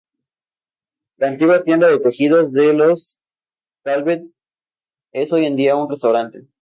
La antigua tienda de tejidos de los Calvet es hoy día un restaurante.